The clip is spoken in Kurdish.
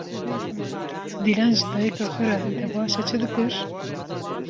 Dîlan ji dayîka xwe re, dabaşa çi kir?